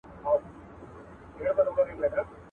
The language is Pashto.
و گټه، پيل وڅټه.